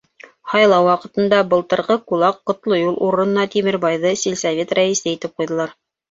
Һайлау ваҡытында былтырғы кулак Ҡотлоюл урынына Тимербайҙы сельсовет рәйесе итеп ҡуйҙылар.